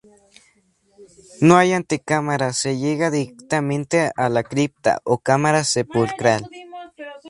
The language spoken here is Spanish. No hay antecámara, se llega directamente a la cripta o cámara sepulcral.